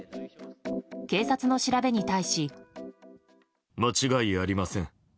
警察の調べに対し。